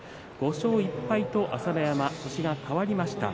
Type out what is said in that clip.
５勝１敗と朝乃山星が変わりました。